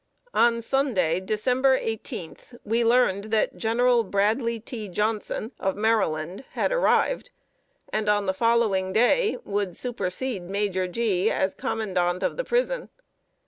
On Sunday, December 18th, we learned that General Bradley T. Johnson, of Maryland, had arrived, and on the following day would supersede Major Gee as Commandant of the prison.